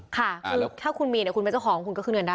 ค่ะคือถ้าคุณมีเนี่ยคุณเป็นเจ้าของคุณก็ขึ้นเงินได้